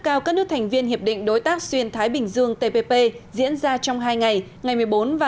cao các nước thành viên hiệp định đối tác xuyên thái bình dương tpp diễn ra trong hai ngày ngày một mươi bốn và